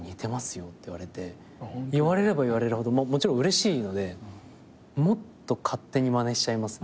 言われれば言われるほどもちろんうれしいのでもっと勝手にまねしちゃいますね。